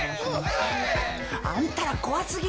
あんたら怖すぎ。